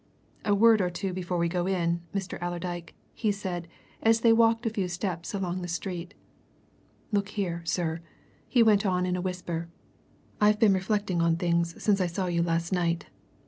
"A word or two before we go in, Mr. Allerdyke," he said as they walked a few steps along the street. "Look here, sir," he went on in a whisper. "I've been reflecting on things since I saw you last night.